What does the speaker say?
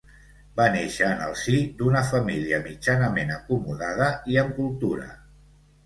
Va néixer en el si d'una família mitjanament acomodada i amb cultura.